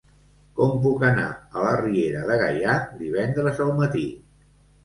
Com puc anar a la Riera de Gaià divendres al matí?